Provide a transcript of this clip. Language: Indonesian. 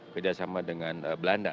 beda sama dengan belanda